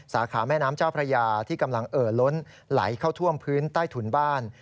สาขาแม่น้ำเจ้าพระยาที่กำลังเอ่อล้นไหลเข้าท่วมพื้นใต้ถุนบ้าน